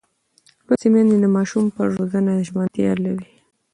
لوستې میندې د ماشوم پر روزنه ژمنتیا لري.